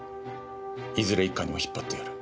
いずれ一課にも引っ張ってやる。